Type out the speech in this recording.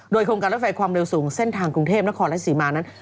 โดยโครงการรถไฟความเร็วสูงเส้นทางกรุงเทพนครและสีมานั้น